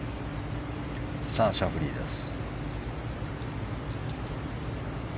さあ、シャフリーです。